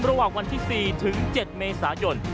ระหว่างวันที่๔ถึง๗เมษายน